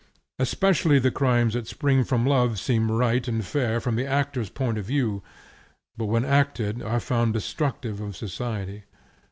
Especially the crimes that spring from love seem right and fair from the actor's point of view, but when acted are found destructive of society.